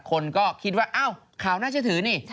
คนก็คิดว่าอ้าวข่าวน่าเชื่อถือนี่